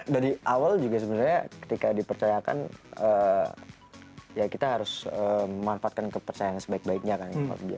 dari awal juga sebenarnya ketika dipercayakan ya kita harus memanfaatkan kepercayaan sebaik baiknya kan